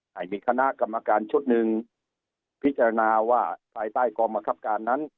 ให้มีคณะกรรมการชุดหนึ่งพิจารณาว่าภายใต้กองบังคับการนั้น